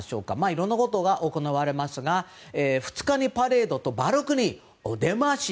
いろんなことが行われますが、２日にパレードとバルコニーお出まし。